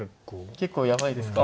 結構やばいですか。